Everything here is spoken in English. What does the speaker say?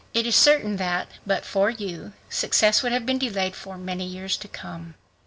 . It is certain that, but for you, success would have been delayed for many years to come."